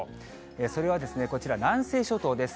それはこちら、南西諸島です。